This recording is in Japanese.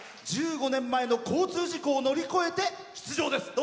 １５年前の交通事故を乗り越えて出場です。